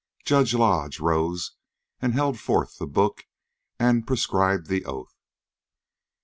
Judge Lodge rose and held forth the book and prescribed the oath.